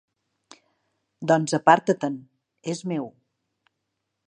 Doncs aparta-te 'n, és meu.